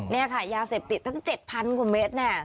นี่ค่ะยาเสพติดตั้ง๗๐๐กว่าเมตรเนี่ย